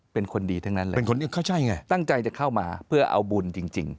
เป็นคนดีทั้งนั้นเลยตั้งใจจะเข้ามาเพื่อเอาบุญจริง